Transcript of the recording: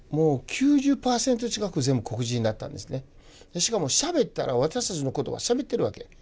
しかもしゃべったら私たちの言葉しゃべってるわけ。